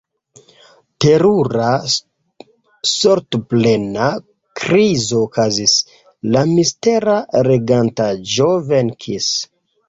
Terura, sortoplena krizo okazis: la mistera regantaĵo venkis.